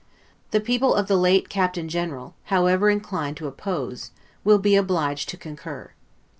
The people of the late Captain general, however inclined to oppose, will be obliged to concur.